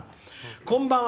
「こんばんは。